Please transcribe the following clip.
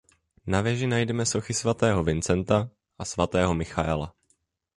Na věži najdeme sochy svatého Vincenta a svatého Michaela.